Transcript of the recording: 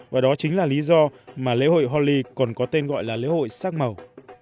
và đó chính là lý do mà lễ hội holi còn có tên gọi là lễ hội sắc màu